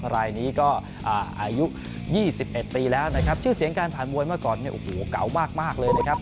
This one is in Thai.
รายนี้ก็อายุ๒๑ปีแล้วนะครับชื่อเสียงการผ่านมวยเมื่อก่อนเนี่ยโอ้โหเก่ามากเลยนะครับ